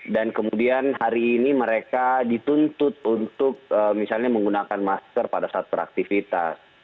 dan kemudian hari ini mereka dituntut untuk misalnya menggunakan masker pada saat beraktivitas